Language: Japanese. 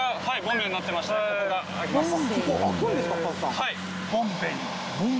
はい。